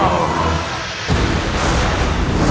aku harus mengerahkan seluruh kemampuanku